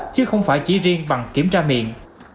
chứ không phải chỉ riêng bằng kiểm tra miệng